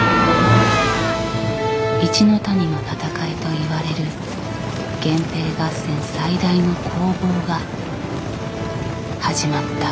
一ノ谷の戦いといわれる源平合戦最大の攻防が始まった。